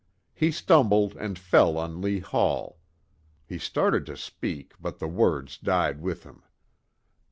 He stumbled and fell on Lee Hall. He started to speak, but the words died with him.